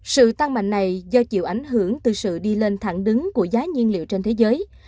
sự tăng mạnh này do chịu ảnh hưởng từ sự đi lên thẳng đứng của giá nhiên liệu trên thế giới